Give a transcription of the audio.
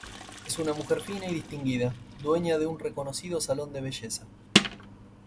Es una mujer fina y distinguida, dueña de un reconocido salón de belleza.